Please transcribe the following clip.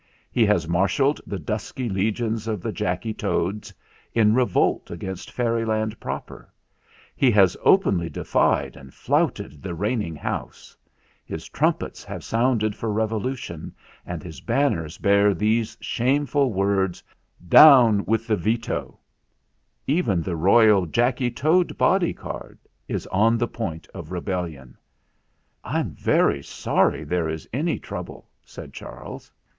He has marshalled the dusky legions of the Jacky Toads in revolt against Fairyland proper; he has openly de fied and flouted the Reigning House; his trumpets have sounded for revolution ; and his banners bear these shameful words, 'Down with the Veto' Even the royal Jacky Toad bodyguard is on the point of rebellion." "I'm very sorry there is any trouble," said Charles.